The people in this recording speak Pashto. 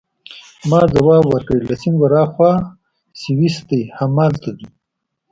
ما ځواب ورکړ: له سیند ورهاخوا سویس دی، همالته ځو.